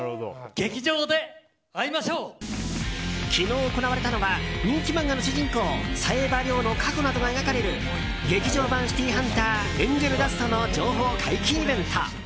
昨日、行われたのは人気漫画の主人公冴羽リョウの過去などが描かれる「劇場版シティーハンターエンジェルダスト」の情報解禁イベント。